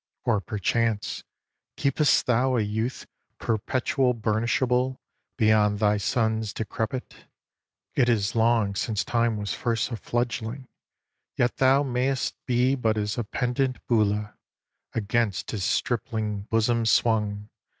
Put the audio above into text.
Or perchance, Keep'st thou a youth perpetual burnishable Beyond thy sons decrepit? It is long Since Time was first a fledgling; Yet thou may'st be but as a pendant bulla Against his stripling bosom swung.